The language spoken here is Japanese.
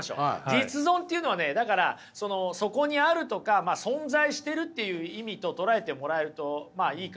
実存っていうのはねだからその「そこにある」とか「存在してる」という意味と捉えてもらえるとまあいいかもしれません。